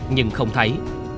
nhưng không thấy